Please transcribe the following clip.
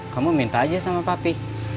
kamu minta aja sama papi